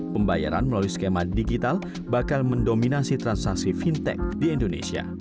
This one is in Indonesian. pembayaran melalui skema digital bakal mendominasi transaksi fintech di indonesia